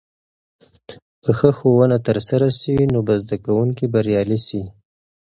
که ښه ښوونه ترسره سي، نو به زده کونکي بريالي سي.